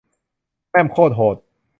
แม่มโคตรโหด